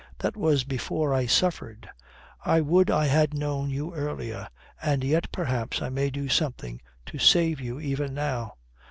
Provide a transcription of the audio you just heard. That was before I suffered. I would I had known you earlier. And yet perhaps I may do something to save you even now."